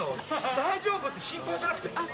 大丈夫？って心配じゃなくて。